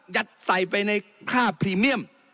ใส่ไปในค่าพรีเมียม